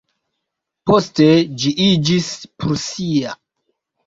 Poste ĝi iĝis prusia.